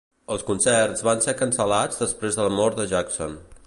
Els concerts van ser cancel·lats després de la mort de Jackson.